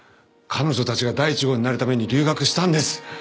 彼女たちが第一号になるために留学したんです。